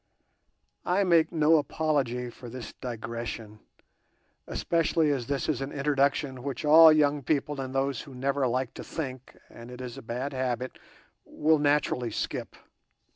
I make no apology for this digression, especially as this is an introduction which all young people and those who never like to think (and it is a bad habit) will naturally skip.